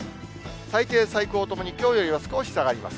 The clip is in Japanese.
最低、最高ともにきょうよりは少し下がります。